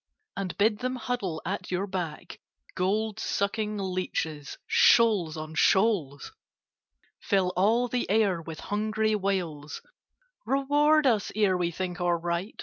And bid them huddle at your back— Gold sucking leeches, shoals on shoals! Fill all the air with hungry wails— "Reward us, ere we think or write!